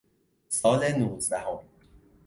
سال نوزدهم